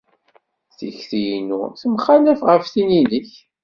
Tikti-inu temxalaf ɣef tin-inek.